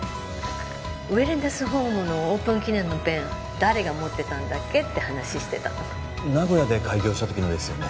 ウェルネスホームのオープン記念のペン誰が持ってたんだっけ？って話してたの名古屋で開業した時のですよね？